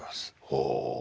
ほう。